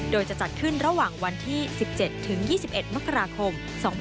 โดยจะจัดขึ้นระหว่างวันที่๑๗ถึง๒๑มกราคม๒๕๖๒